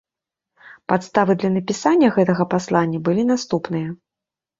Падставы для напісання гэтага паслання былі наступныя.